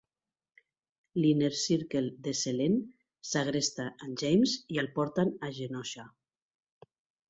L'Inner Circle de Selene segresta en James i el porten a Genosha.